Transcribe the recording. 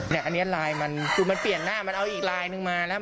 เนี่ยอันนี้ไลน์มันคือมันเปลี่ยนหน้ามันเอาอีกลายนึงมาแล้ว